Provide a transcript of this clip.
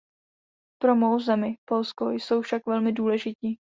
Pro mou zemi, Polsko, jsou však velmi důležití.